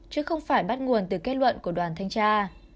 chứ không phải bắt nguồn từ kết luận của đoàn thanh tra